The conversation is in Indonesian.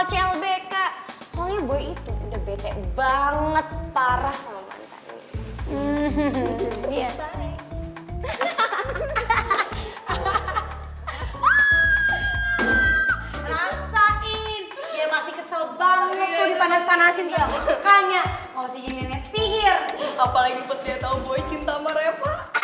selamat pagi pak